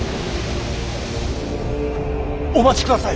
お待ちください。